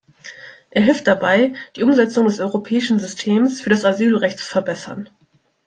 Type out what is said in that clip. Er hilft dabei, die Umsetzung des europäischen Systems für das Asylrecht zu verbessern.